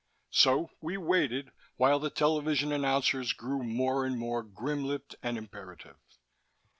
So we waited, while the television announcers grew more and more grim lipped and imperative.